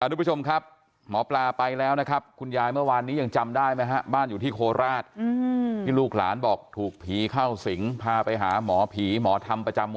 สวัสดีผู้ชมครับหมอปราไปแล้วนะครับคุณยายเมื่อวานนี้ยังจำได้ไหมฮะ